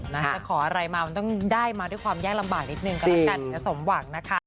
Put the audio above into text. จะขออะไรมามันต้องได้มาด้วยความยากลำบากนิดนึงก็แล้วกันถึงจะสมหวังนะคะ